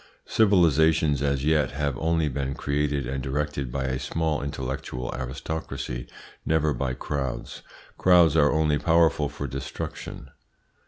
Civilisations as yet have only been created and directed by a small intellectual aristocracy, never by crowds. Crowds are only powerful for destruction.